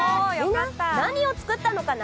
何を作ったのかな？